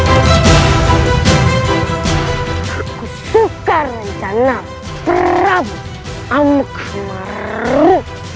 aku suka rencana prabu amkemarrrr